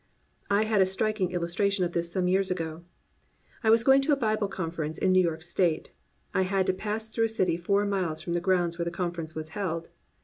I had a striking illustration of this some years ago. I was going to a Bible Conference in New York State. I had to pass through a city four miles from the grounds where the Conference was held.